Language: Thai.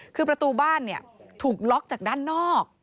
คือประตูบ้านถูกล็อกจากด้านนอก